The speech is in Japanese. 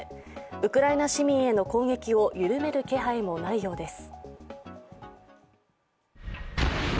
ウクライナ市民への攻撃を緩める気配もないようです。